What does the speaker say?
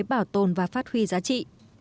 bảo tồn và phát huy giá trị